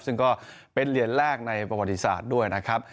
ซึ่งก็เป็นเหรียญแรกในประวัติศาสตร์ด้วยนะครับ